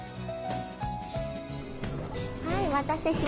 お待たせしました。